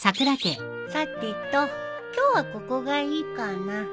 さてと今日はここがいいかな。